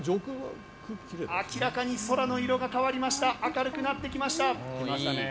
明らかに空の色が変わりました明るくなってきました。